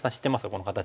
この形。